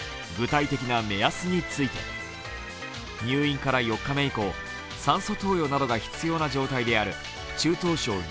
具体的な目安については入院から４日目以降、酸素投与などが必要な状態である中等症